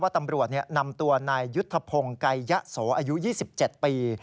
ตำรวจนำตัวนายยุทธพงศ์ไกยะโสอายุ๒๗ปี